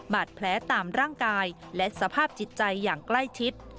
บาดแผลตามร่างกายและสภาพจิตใจอย่างใกล้ชิด